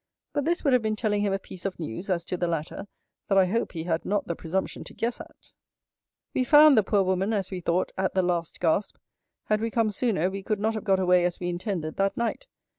But this would have been telling him a piece of news, as to the latter, that I hope he had not the presumption to guess at. We found the poor woman, as we thought, at the last gasp. Had we come sooner, we could not have got away as we intended, that night.